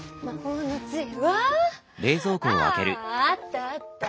ああったあった。